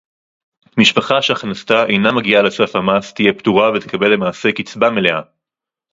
משפחה שהכנסתה אינה מגיעה לסף המס תהיה פטורה ותקבל למעשה קצבה מלאה